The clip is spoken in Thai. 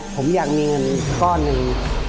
ผมอยากมีเงินก้อนหนึ่ง